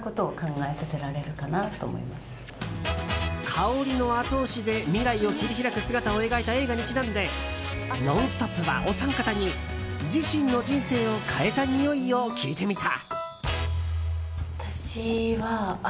香りの後押しで未来を切り開く姿を描いた映画にちなんで「ノンストップ！」はお三方に自身の人生を変えたにおいを聞いてみた。